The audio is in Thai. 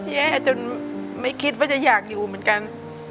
แย่จนไม่คิดว่าจะอยากอยู่เหมือนกัน